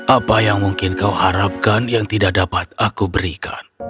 apa yang mungkin kau harapkan yang tidak dapat aku berikan